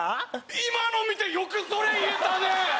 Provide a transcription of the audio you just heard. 今の見てよくそれ言えたね！